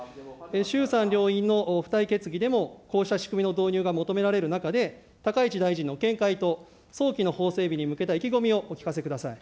衆参両院の付帯決議でもこうした仕組みの導入が求められる中で、高市大臣の見解と早期の法整備に向けた意気込みをお聞かせくださ